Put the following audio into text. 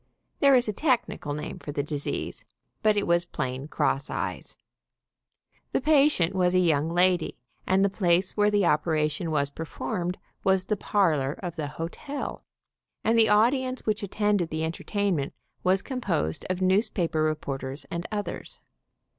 There is a technical name for the disease, but it was plain cross eyes. The patient was a young lady, and the place where the operation was performed was the parlor of the hotel, and the audience which attended the entertainment was composed of newspaper re porters and others.